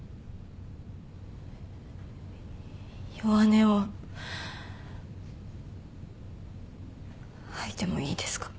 弱音を吐いてもいいですか。